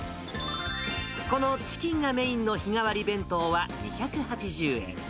このチキンがメインの日替わり弁当は２８０円。